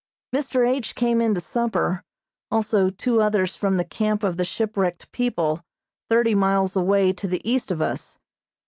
Mr. H. came in to supper, also two others from the camp of the shipwrecked people, thirty miles away to the east of us.